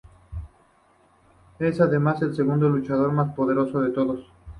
Es, además, el segundo luchador más poderoso de todos.